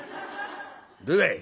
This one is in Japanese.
どうだい？